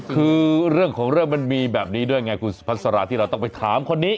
คือเรื่องของเรื่องมันมีแบบนี้ด้วยไงคุณสุพัสราที่เราต้องไปถามคนนี้